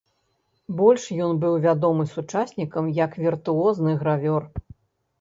Больш ён быў вядомы сучаснікам як віртуозны гравёр.